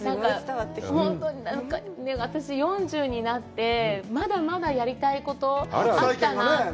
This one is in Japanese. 本当に何か私、４０になって、まだまだやりたいことあるなって。